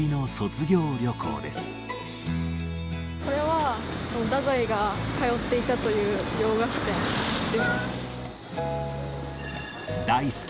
これは、太宰が通っていたという洋菓子店です。